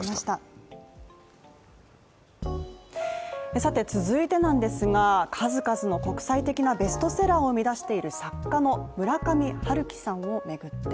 さて、続いてなんですが数々の国際的なベストセラーを生み出している作家の村上春樹さんを巡って。